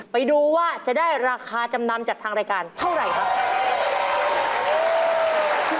ไปดูว่าจะได้ราคาจำนำจากทางรายการเท่าไหร่ครับ